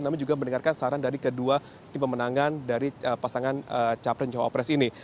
namun juga mendengarkan saran dari kedua tim pemenangan dari pasangan capres dan cawapres ini